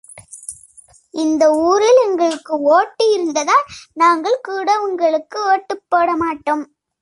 இந்த ஊரில் எங்களுக்கு ஓட்டு இருந்தால் நாங்கள் கூட உங்களுக்கு ஒட்டுப்போட மாட்டோம்.